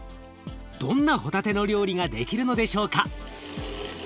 どんなほたての料理ができるのでしょうか？